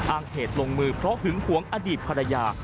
เหตุลงมือเพราะหึงหวงอดีตภรรยา